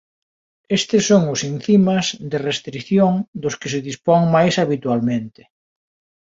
Estes son os encimas de restrición dos que se dispón máis habitualmente.